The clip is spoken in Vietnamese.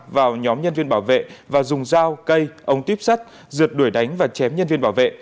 vào nhóm nhân viên bảo vệ và dùng dao cây ống tuyếp sắt rượt đuổi đánh và chém nhân viên bảo vệ